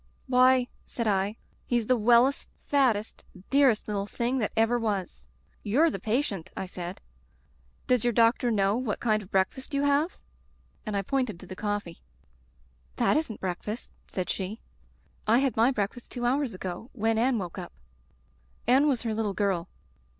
"'Why/ said I, *he's the wellest, fattest, dearest little thing that ever was! Tou're the patient/ I said. *Does your doctor know what kind of breakfast you have?' And I pointed to the coffee. "'That isn't breakfast/ said she. *I had my breakfast two hours ago, when Anne woke up.' Anne was her little girl.